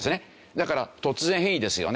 だから突然変異ですよね。